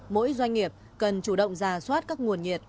mỗi doanh nghiệp cần chủ động ra soát các nguồn nhiệt